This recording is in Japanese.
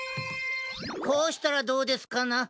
こうしたらどうですかな？